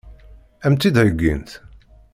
Ad m-tt-id-heggint?